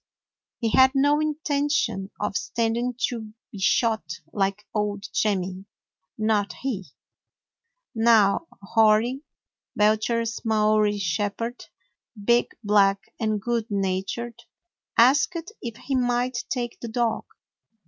He had no intention of standing to be shot like old Jemmy; not he. New Hori, Belcher's Maori shepherd, big, black, and good natured, asked if he might take the dog.